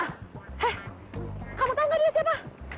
eh kamu tahu gak dia siapa